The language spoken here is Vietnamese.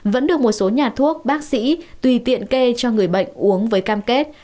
vẫn được một số nhà thuốc bác sĩ tùy tiện kê cho người bệnh uống với cam kết